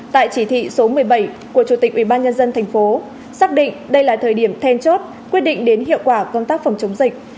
tại chỉ thị số một mươi bảy của chủ tịch ubnd tp xác định đây là thời điểm then chốt quyết định đến hiệu quả công tác phòng chống dịch